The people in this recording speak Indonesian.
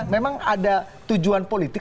memang ada tujuan politik